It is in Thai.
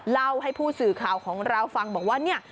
เราให้ผู้สื่อข่าวของเราฟังบอกว่า